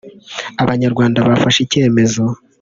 Abanyarwanda bafashe icyemezo